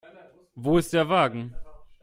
Wo ist der Wagen?